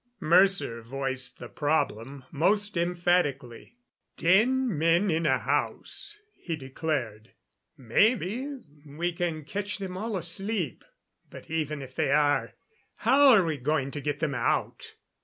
Mercer voiced the problem most emphatically. "Ten men in a house," he declared. "Maybe we can catch them all asleep. But even if they are, how are we going to get them out?